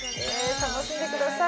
楽しんでください。